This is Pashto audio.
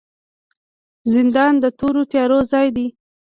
زندان د تورو تیارو ځای دی